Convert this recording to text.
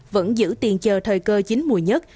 vẫn giữ tiền chờ thời cơ chín mùa nhất